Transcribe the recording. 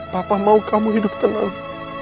papa mau kamu hidup tenang